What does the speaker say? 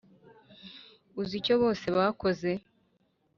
uzi icyo bose bakoze?